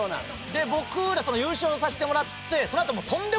で僕ら優勝さしてもらってその後。